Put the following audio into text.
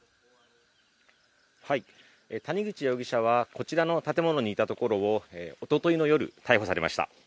谷口容疑者はこちらの建物にいたところを一昨日の夜、逮捕されました。